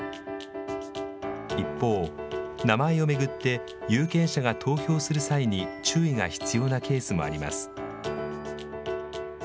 一方、名前を巡って有権者が投票する際に注意が必要なケースもあります。